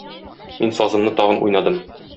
Мин сазымны тагын уйнадым.